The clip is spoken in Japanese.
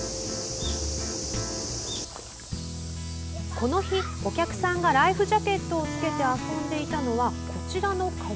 この日、お客さんがライフジャケットを着けて遊んでいたのは、こちらの川。